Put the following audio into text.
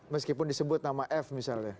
meskipun disebut nama f misalnya